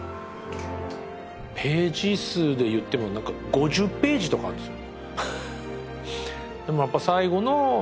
ページ数でいっても５０ページとかあるんですよ